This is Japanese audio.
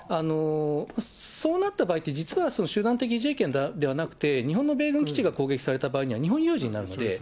そうなった場合って、実は集団的自衛権ではなくて、日本の米軍基地が攻撃された場合には日本有事になるので。